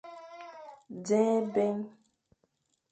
Nẑen ébyen.